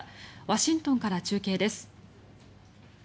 ワシントンから中継です。